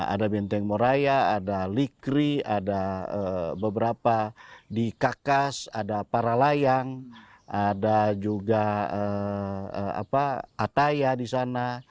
ada benteng moraya ada likri ada beberapa di kakas ada para layang ada juga ataya di sana